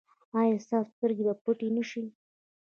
ایا ستاسو سترګې به پټې نه شي؟